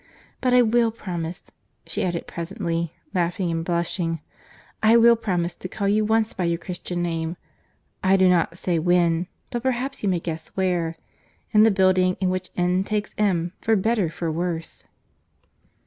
—But I will promise," she added presently, laughing and blushing—"I will promise to call you once by your Christian name. I do not say when, but perhaps you may guess where;—in the building in which N. takes M. for better, for worse."